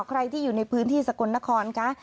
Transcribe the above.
ใครที่อยู่ในพื้นที่สกลนครคะ